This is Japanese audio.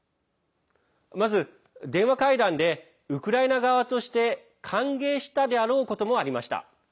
まず電話会談でウクライナ側として歓迎したであろうこともありました。